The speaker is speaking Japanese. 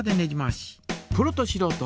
プロとしろうと